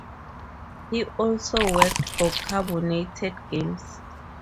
He also worked for Carbonated Games.